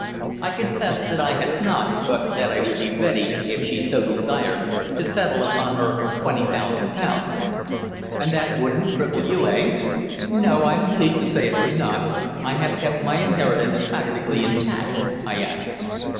I confessed that I had not, but that I would be ready, if she so desired, to settle upon her twenty thousand pounds. "And that wouldn't cripple you eh?" "No, I'm pleased to say it would not. I have kept my inheritance practically intact," I added.